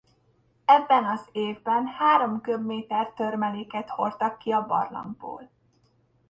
Ebben az évben három köbméter törmeléket hordtak ki a barlangból.